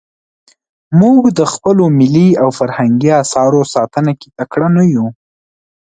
موږ د خپلو ملي او فرهنګي اثارو ساتنه کې تکړه نه یو.